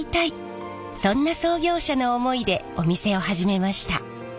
そんな創業者の思いでお店を始めました。